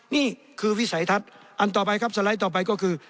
นี่คือวิสัยทัศน์อันต่อไปครับสไลด์ต่อไปก็คือ